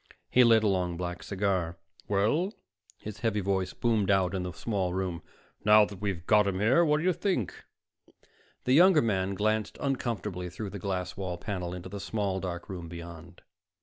He lit a long black cigar. "Well?" His heavy voice boomed out in the small room. "Now that we've got him here, what do you think?" The younger man glanced uncomfortably through the glass wall panel into the small dark room beyond.